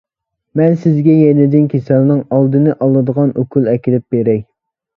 مەن سىزگە يېزىدىن كېسەلنىڭ ئالدىنى ئالىدىغان ئوكۇل ئەكېلىپ بېرەي.